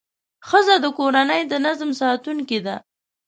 ښځه د کورنۍ د نظم ساتونکې ده.